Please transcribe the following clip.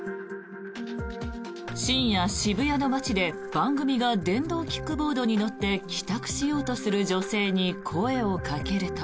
深夜、渋谷の街で、番組が電動キックボードに乗って帰宅しようとする女性に声をかけると。